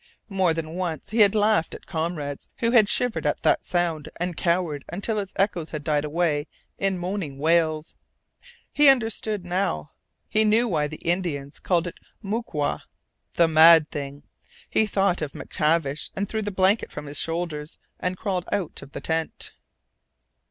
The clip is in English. More than once he had laughed at comrades who had shivered at that sound and cowered until its echoes had died away in moaning wails. He understood now. He knew why the Indians called it moakwa "the mad thing." He thought of MacTavish, and threw the blanket from his shoulders, and crawled out of the tent.